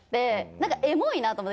なんかエモいなと思って。